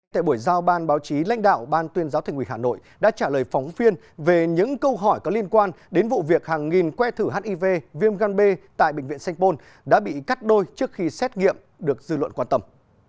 tại buổi giao ban báo chí lãnh đạo ban tuyên giáo thành quỷ hà nội đã trả lời phóng viên về những câu hỏi có liên quan đến vụ việc hàng nghìn que thử hiv viêm gan b tại bệnh viện sanh pôn đã bị cắt đôi trước khi xét nghiệm được dư luận quan tâm